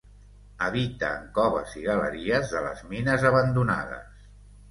Habita en coves i galeries de les mines abandonades.